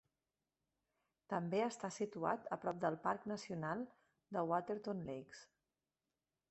També està situat a prop del parc nacional de Waterton Lakes.